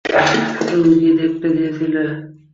তুমি কী দেখাতে চেয়েছিলে?